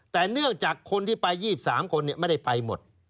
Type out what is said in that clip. แต่เนื่องจากคนที่ไป๒๓คนไม่ได้ไปหมด